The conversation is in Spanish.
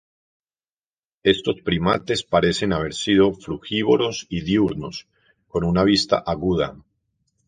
Estos primates parecen haber sido frugívoros y diurnos, con una vista aguda.